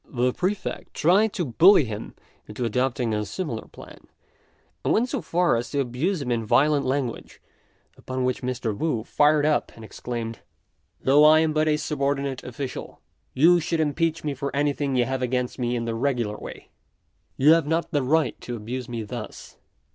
The Prefect tried to bully him into adopting a similar plan, and went so far as to abuse him in violent language; upon which Mr. Wu fired up and exclaimed, "Though I am but a subordinate official, you should impeach me for anything you have against me in the regular way; you have not the right to abuse me thus.